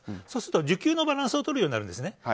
そうすると需給のバランスをとるようになるんですね。